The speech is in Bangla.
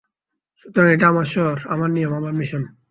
সুতরাং, এটা আমার শহর, আমার নিয়ম, আমার মিশন।